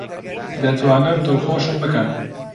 دەتوانن دڵخۆشم بکەن؟